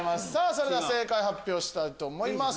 それでは正解発表したいと思います。